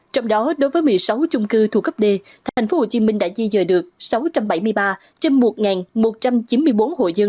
trong đó đối với một mươi sáu chung cư thuộc cấp d tp hcm đã di dời được sáu trăm bảy mươi ba trên một một trăm chín mươi bốn hộ dân